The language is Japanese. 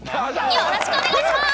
よろしくお願いします！